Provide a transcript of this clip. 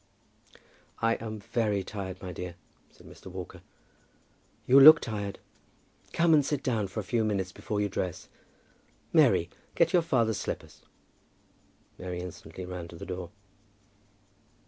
"I am very tired, my dear," said Mr. Walker. "You look tired. Come and sit down for a few minutes before you dress. Mary, get your father's slippers." Mary instantly ran to the door.